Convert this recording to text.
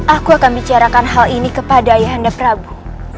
aku akan bicarakan hal ini kepada yanda prabu